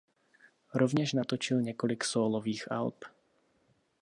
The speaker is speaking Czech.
Rovněž natočil několik sólových alb.